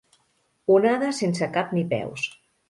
Onada sense cap ni peus.